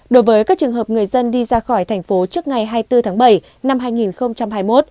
đối với các trường hợp người dân đi ra khỏi thành phố trước ngày hai mươi bốn tháng bảy năm hai nghìn hai mươi một